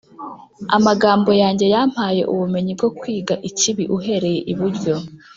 amagambo yanjye yampaye ubumenyi bwo kwiga ikibi uhereye iburyo.